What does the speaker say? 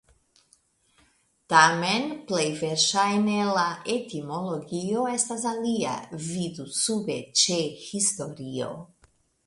Tamen plej verŝajne la etimologio estas alia (vidu sube ĉe Historio).